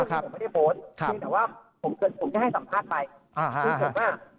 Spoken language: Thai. อ่าครับผมไม่ได้โพสต์ครับแต่ว่าผมจะให้สัมภาษณ์ไปอ่าฮะ